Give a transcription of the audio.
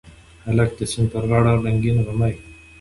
هلک د سیند پر غاړه رنګین غمي